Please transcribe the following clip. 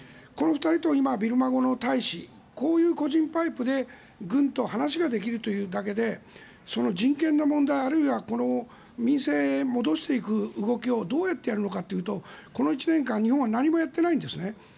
この２人と今の大使こういう個人パイプで軍と話ができるというだけで人権の問題あるいはこの民政に戻していく動きをどうやってやるのかというとこの１年間、日本は何もやっていないんですね。